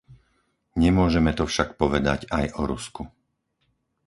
Nemôžeme to však povedať aj o Rusku.